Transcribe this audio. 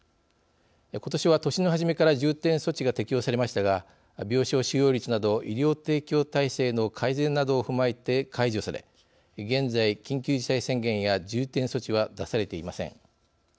ことしは年の初めから重点措置が適用されましたが病床使用率など医療提供体制の改善などを踏まえて解除され現在緊急事態宣言や重点措置は出されていません。